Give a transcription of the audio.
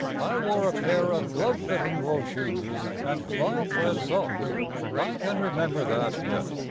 I wore a pair of glove fitting low shoes and lisle thread socks. I can remember that yet.